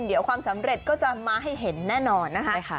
เดี๋ยวความสำเร็จก็จะมาให้เห็นแน่นอนนะคะ